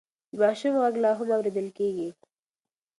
د ماشوم غږ لا هم اورېدل کېږي.